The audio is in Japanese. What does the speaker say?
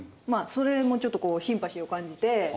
それもちょっとシンパシーを感じて。